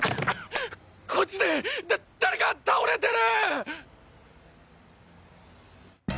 こっちでだっ誰か倒れてる！！